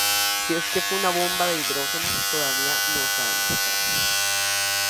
Si es que fue una bomba de hidrógeno todavía no se ha demostrado.